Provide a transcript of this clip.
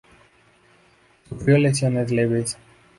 Sufrió lesiones leves.